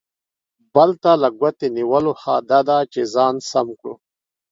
بل ته له ګوتې نیولو، ښه دا ده چې ځان سم کړو.